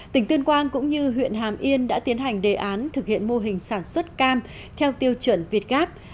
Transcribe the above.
tỉnh tuyên quang cũng như huyện hàm yên đã tiến hành đề án thực hiện mô hình sản xuất cam theo tiêu chuẩn việt gáp